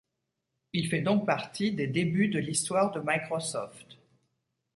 Il fait donc partie des débuts de l'histoire de Microsoft.